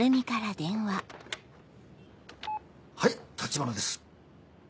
はい橘です。